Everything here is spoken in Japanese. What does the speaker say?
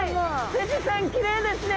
富士山きれいですね！